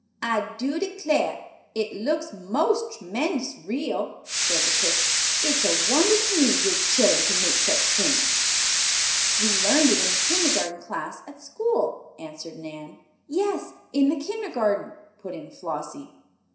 "I do declar', it looks most tremend'us real," said the cook. "It's a wonder to me yo' chillun can make sech t'ings." "We learned it in the kindergarten class at school," answered Nan. "Yes, in the kindergarten," put in Flossie.